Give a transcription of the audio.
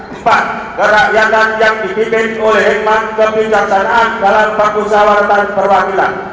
empat kerakyatan yang dipimpin oleh hikmat kebijaksanaan dalam permusawaratan perwakilan